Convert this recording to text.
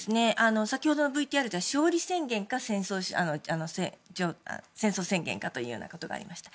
先ほどのＶＴＲでは勝利宣言か戦争宣言かというようなことがありました。